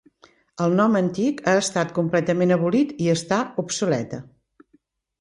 El nom antic ha estat completament abolit i està obsoleta.